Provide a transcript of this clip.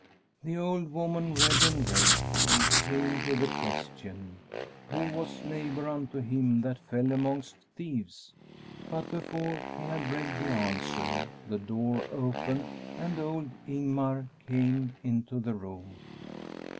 The old woman read and read, and came to the question :* Who was neighbour unto him that fell amongst thieves ?' But before she had read the answer the door opened and old Ingmar came into the room.